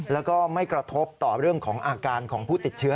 แล้วก็ไม่กระทบต่อเรื่องของอาการของผู้ติดเชื้อ